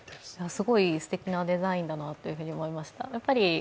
すごいすてきなデザインだなと思いました。